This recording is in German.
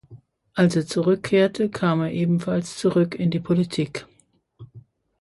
Als er zurückkehrte kam er ebenfalls zurück in die Politik.